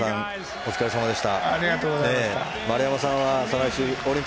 お疲れさまでした。